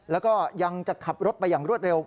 แล้วก็ยังจะขับรถไปอย่างรวดเร็ว